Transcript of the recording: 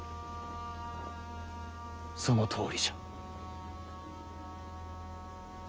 そのとおりじゃ。